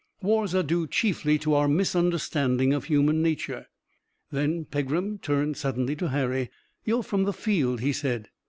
Wars are due chiefly to our misunderstanding of human nature." Then Pegram turned suddenly to Harry. "You're from the field?" he said.